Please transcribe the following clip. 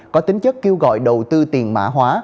có tính chất kêu gọi đầu tư tiền mã hóa